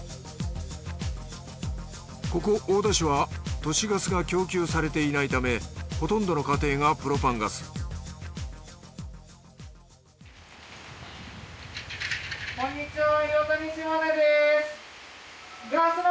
ここ大田市は都市ガスが供給されていないためほとんどの家庭がプロパンガスこんにちは。